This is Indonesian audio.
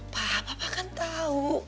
pa papa kan tahu